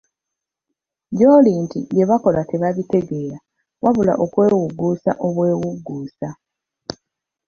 Gy'oli nti bye bakola tebabitegeera wabula okwewugguusa obwewugguusa.